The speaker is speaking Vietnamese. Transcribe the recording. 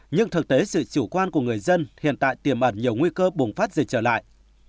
nhưng thực tế sự chủ quan của người dân hiện tại tiềm ẩn nhiều nguy cơ bùng phát dịch trở lại